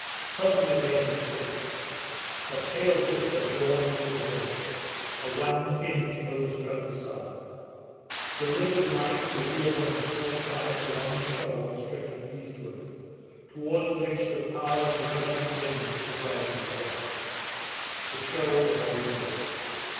Suddenly they understood it. A pale vista broadened in the zenith; a wan tinge overspread the sea; the livid light revealed on the port side a long shoal stretching eastward, towards which the power of the rushing wind was driving the vessel. The shoal was Aurigny.